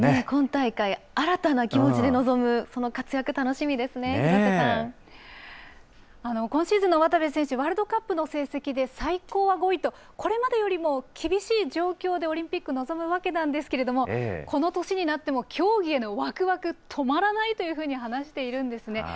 今大会、新たな気持ちで臨むその活躍、楽しみですね、廣瀬さ今シーズンの渡部選手、ワールドカップの成績で最高は５位と、これまでよりも厳しい状況でオリンピック、臨むわけなんですけれども、この年になっても競技へのわくわく止まらないというふうに話しているんですね。